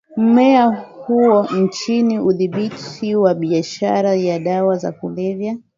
mmea huo chini ya udhibiti wa biashara ya dawa za kulevya